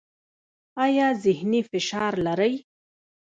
ایا ذهني فشار لرئ؟